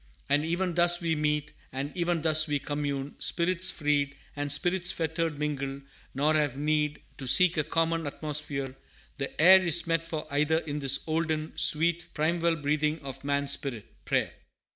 "And even thus we meet, And even thus we commune! spirits freed And spirits fettered mingle, nor have need To seek a common atmosphere, the air Is meet for either in this olden, sweet, Primeval breathing of Man's spirit, Prayer!"